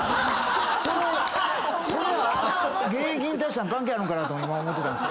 現役引退したん関係あるんかなと思ってたんです。